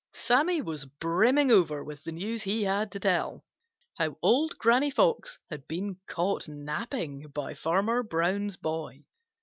Sammy was brimming over with the news he had to tell,—how Old Granny Fox had been caught napping by Farmer Brown's boy.